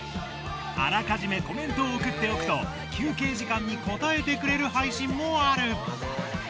あらかじめコメントを送っておくと休憩時間に答えてくれる配信もある。